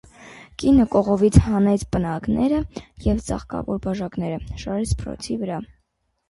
Կինը կողովից հանեց պնակները և ծաղկավոր բաժակները շարեց սփռոցի վրա: